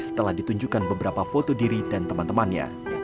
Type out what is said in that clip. setelah ditunjukkan beberapa foto diri dan teman temannya